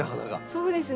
そうですね。